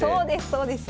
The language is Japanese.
そうです